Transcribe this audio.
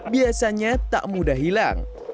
biasanya tak mudah hilang